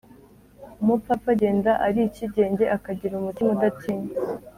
umupfapfa agenda ari icyigenge, akagira umutima udatinya